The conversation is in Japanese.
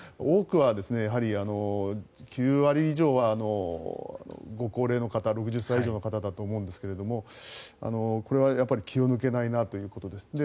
多くは９割以上はご高齢の方、６０歳以上の方だと思いますがこれは、やっぱり気を抜けないなということです。